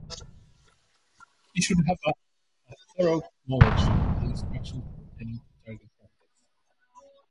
He should have a thorough knowledge of the instructions pertaining to target practice.